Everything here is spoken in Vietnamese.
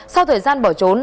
sau thời gian bỏ trốn